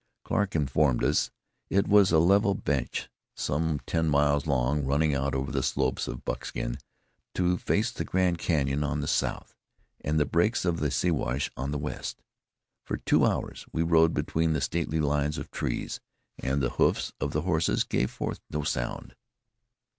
Clarke informed us it was a level bench some ten miles long, running out from the slopes of Buckskin to face the Grand Canyon on the south, and the 'breaks of the Siwash on the west. For two hours we rode between the stately lines of trees, and the hoofs of the horses gave forth no sound.